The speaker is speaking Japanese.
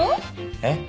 えっ？